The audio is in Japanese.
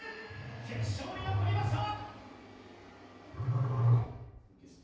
決勝に残りました！